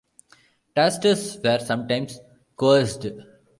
Tasters were sometimes coerced.